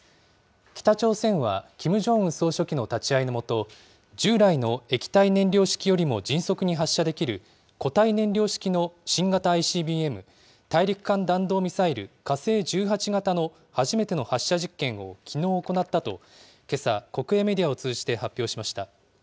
北朝鮮はキム・ジョンウン総書記の立ち会いの下、従来の液体燃料式よりも迅速に発射できる、固体燃料式の新型ＩＣＢＭ・大陸間弾道ミサイル、火星１８型の初めての発射実験をきのう行ったと、けさ国営メディアを通じて発表しました。